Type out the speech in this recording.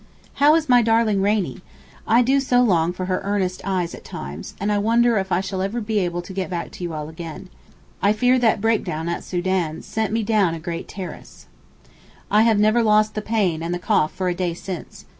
How is my darling Rainie? I do so long for her earnest eyes at times, and wonder if I shall ever be able to get back to you all again. I fear that break down at Soden sent me down a great terrace. I have never lost the pain and the cough for a day since.